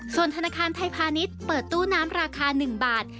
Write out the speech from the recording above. ส่วนธนาคารไทยพาณิชย์เปิดตู้น้ำราคา๑บาท